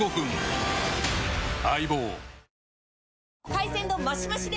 海鮮丼マシマシで！